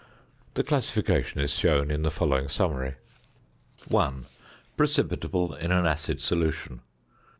This classification is shown in the following summary: 1. _Precipitable in an acid solution.